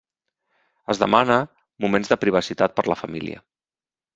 Es demana moments de privacitat per la família.